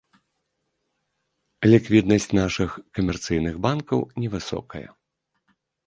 Ліквіднасць нашых камерцыйных банкаў невысокая.